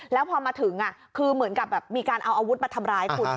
แล้วพอมาถึงคือเหมือนกับแบบมีการเอาอาวุธมาทำร้ายคุณ